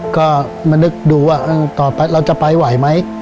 ก็มานึกดูว่าต่อไปเราจะไปไหวไหม